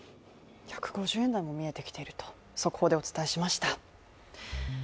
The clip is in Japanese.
１５０円台も見えてきていると速報でお伝えしました。